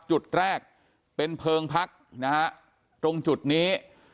จุดแรกเป็นเพลิงพักนะฮะตรงจุดนี้